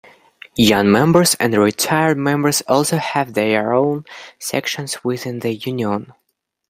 Young members and retired members also have their own sections within the union.